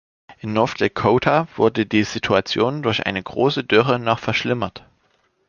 In North Dakota wurde die Situation durch eine große Dürre noch verschlimmert.